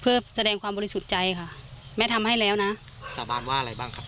เพื่อแสดงความบริสุทธิ์ใจค่ะแม่ทำให้แล้วนะสาบานว่าอะไรบ้างครับ